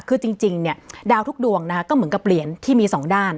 คือจริงเนี่ยดาวทุกดวงนะคะก็เหมือนกับเปลี่ยนที่มีสองด้าน